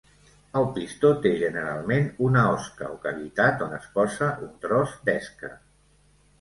El pistó té generalment una osca o cavitat on es posa un tros d'esca.